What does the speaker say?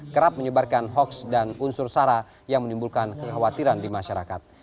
kerap menyebarkan hoaks dan unsur sara yang menimbulkan kekhawatiran di masyarakat